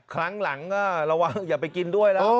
ครั้งหลังก็ระวังอย่าไปกินด้วยแล้ว